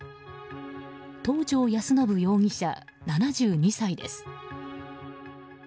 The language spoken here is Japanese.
東條安伸容疑者、７２歳です。